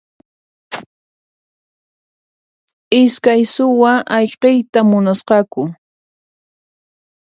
Iskay suwa ayqiyta munasqaku.